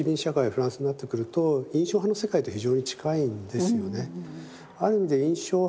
フランスになってくると印象派の世界と非常に近いんですよね。